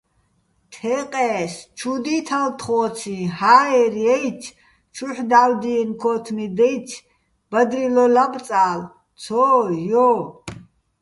თეყე́ს: ჩუ დითალ თხოციჼ, ჰაერ ჲაჲცი̆, ჩუჰ̦ დაჴდიენო̆ ქო́თმი დაჲცი̆, ბადრილო ლაბწალ, - ცო, ჲო!